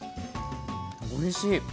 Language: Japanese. おいしい。